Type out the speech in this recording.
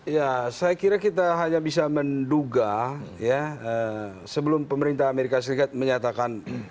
ya saya kira kita hanya bisa menduga ya sebelum pemerintah amerika serikat menyatakan